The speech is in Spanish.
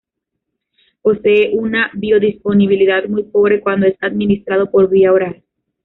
Posee una biodisponibilidad muy pobre cuando es administrado por vía oral.